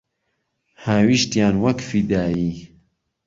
هاویشتیان وەک فیدایی